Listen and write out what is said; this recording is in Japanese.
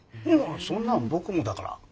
そんなん僕もだから。